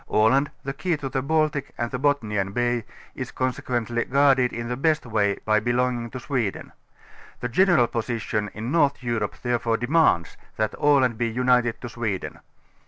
Aland, the kej^ to the Baltic and the Bothnian Baj^ is consequently guarded in the best way by belonging to .Sweden. The general posi tion in North Europe therefore demands, that Aland be unit ed to Sweden.